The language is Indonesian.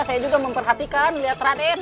saya juga memperhatikan melihat raden